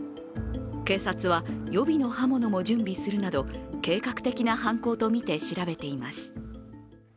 警察は予備の刃物も準備するなど計画的な犯行とみて調べています。